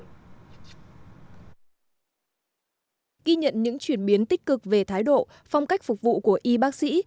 ghi nhận những chuyển biến tích cực về thái độ phong cách phục vụ của y bác sĩ